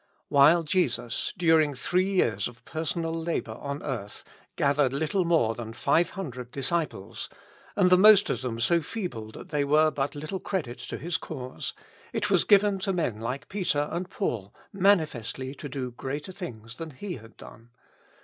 While Jesus, during three years of personal labor on earth, gathered little more than five hundred disciples, and the most of them so feeble that they were but little credit to His cause, it was given to men like Peter and Paul manifestly to do greater things than He had done.